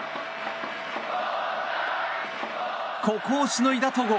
ここをしのいだ戸郷。